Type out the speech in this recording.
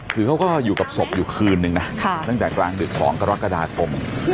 คือเขาก็อยู่กับศพอยู่คืนนึงนะตั้งแต่กลางดึก๒กรกฎาคม